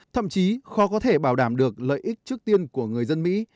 thậm chí khó có thể bảo đảm được lợi ích trước tiên của người dân mỹ